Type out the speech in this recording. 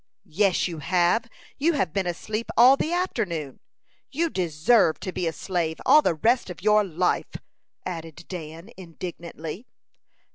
"Yes, you have; you have been asleep all the afternoon. You deserve to be a slave all the rest of your life!" added Dan, indignantly.